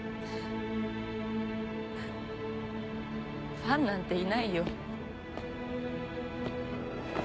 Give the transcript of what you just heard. ファンなんていないよ。